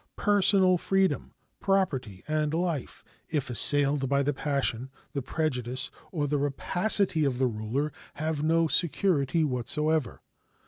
Personal freedom, property, and life, if assailed by the passion, the prejudice, or the rapacity of the ruler, have no security whatever.